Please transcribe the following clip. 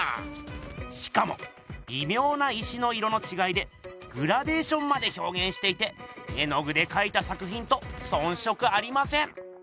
しかもびみょうな石の色のちがいでグラデーションまでひょうげんしていて絵の具でかいた作ひんとそんしょくありません。